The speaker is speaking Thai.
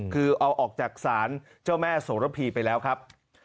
คือเอาออกจากศาลเจ้าแม่โสระพีไปแล้วครับ